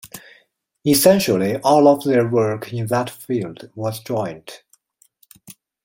Essentially all of their work in that field was joint.